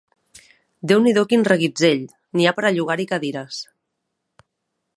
Déu n’hi do quin reguitzell! N’hi ha per a llogar-hi cadires!